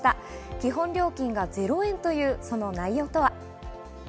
基本料金が０円というその内容とは。